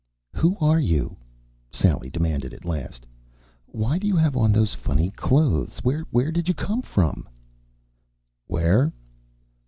"Who are you?" Sally demanded, at last. "Why do you have on those funny clothes? Where did you come from?" "Where?"